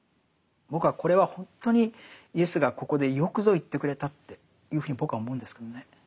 僕はこれは本当にイエスがここでよくぞ言ってくれたっていうふうに僕は思うんですけどね。